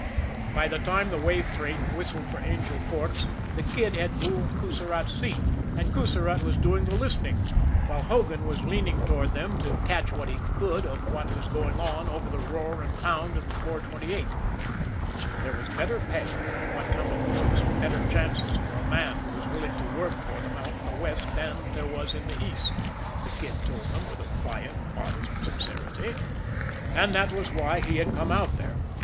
By the time the way freight whistled for Angel Forks, the Kid had Bull Coussirat's seat, and Coussirat was doing the listening, while Hogan was leaning toward them to catch what he could of what was going on over the roar and pound of the 428. There was better pay, and, what counted most, better chances for a man who was willing to work for them out in the West than there was in the East, the Kid told them with a quiet, modest sincerity and that was why he had come out there.